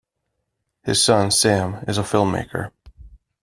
His son, Sam, is a filmmaker.